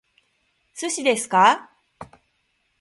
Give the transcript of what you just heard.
寿司ですか？